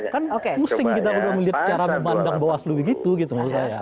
kan pusing kita sudah melihat cara memandang bawaslu begitu gitu maksud saya